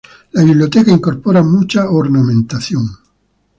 La biblioteca incorpora mucha ornamentación.